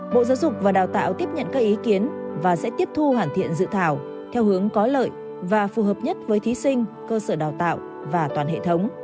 bộ giáo dục và đào tạo tiếp nhận các ý kiến và sẽ tiếp thu hoàn thiện dự thảo theo hướng có lợi và phù hợp nhất với thí sinh cơ sở đào tạo và toàn hệ thống